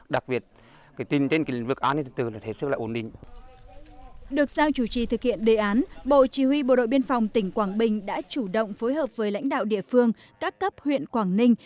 được giao chủ trì thực hiện đề án bộ chỉ huy bộ đội biên phòng tỉnh quảng bình đã chủ động phối hợp với lãnh đạo địa phương các cấp huyện quảng ninh